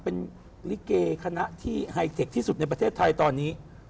เป็นลิเกคณะที่ไฮเทคที่สุดในประเทศไทยตอนนี้